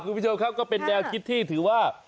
คุณผู้ชมครับก็เป็นแนวคิดที่ถือว่า